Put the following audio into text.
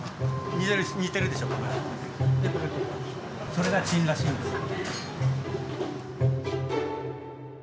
それが陳らしいんですよ。